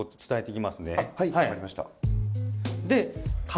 はい分かりました。